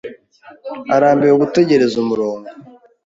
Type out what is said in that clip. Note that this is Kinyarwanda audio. arambiwe gutegereza umurongo.